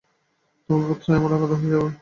বোধহয় আমরা আলাদা হয়ে যাবো।